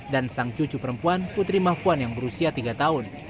dan sang cucu perempuan putri mafuan yang berusia tiga tahun